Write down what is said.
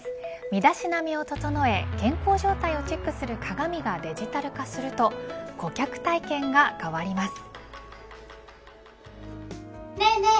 身だしなみを整え健康状態をチェックする鏡がデジタル化すると顧客体験が変わります。